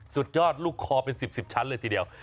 สุดยอดลูกคอเป็น๑๐ชั้นเลยทีเดียว